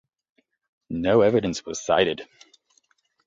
No evidence was cited.